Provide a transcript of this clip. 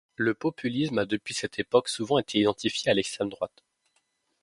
Le populisme a depuis cette époque souvent été identifié à l'extrême droite.